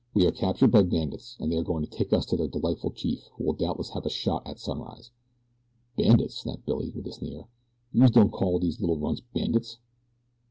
"We are captured by bandits, and they are going to take us to their delightful chief who will doubtless have us shot at sunrise." "Bandits?" snapped Billy, with a sneer. "Youse don't call dese little runts bandits?"